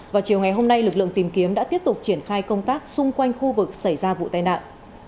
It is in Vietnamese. vào chiều ngày hôm nay lực lượng tìm kiếm đã tiếp tục triển khai công tác xung quanh khu vực xảy ra vụ tai nạn